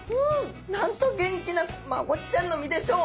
なんと元気なマゴチちゃんの身でしょう。